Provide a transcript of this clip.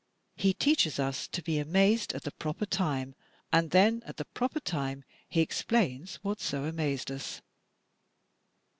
He teaches us to be amazed at the proper time and then at the proper time he explains what so amazed us.